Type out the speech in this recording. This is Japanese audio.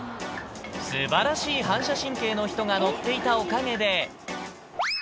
すばらしい反射神経の人が乗っていたおかげで。